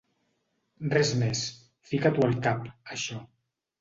Res més. Fica-t’ho al cap, això.